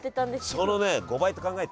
そのね５倍と考えて。